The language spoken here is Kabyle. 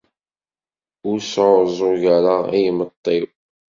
Ur sɛuẓẓug ara i yimeṭṭi-w!